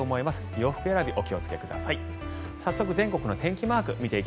洋服選び、お気をつけください。